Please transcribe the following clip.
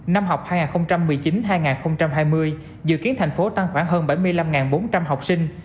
năm học hai nghìn một mươi chín hai nghìn hai mươi dự kiến thành phố tăng khoảng hơn bảy mươi năm bốn trăm linh học sinh